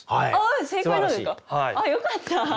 あっよかった！